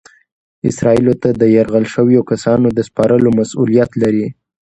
اسرائیلو ته د یرغمل شویو کسانو د سپارلو مسؤلیت لري.